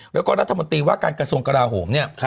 แล้วก็รัฐมนตรีว่าการกระทรวงกราโหมเนี่ย